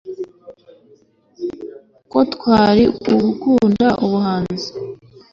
Ko kwari ugukunda ubuhanzi